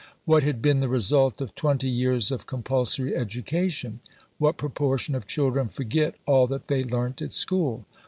What had been the result of twenty years of compulsory education? What proportion of children forget all that they learnt at school?